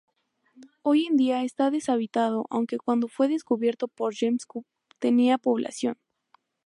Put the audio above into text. Hoy en día está deshabitado aunque cuando fue descubierto por James Cook tenía población.